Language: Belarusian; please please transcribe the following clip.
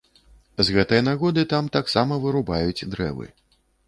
З гэтай нагоды там таксама вырубаюць дрэвы.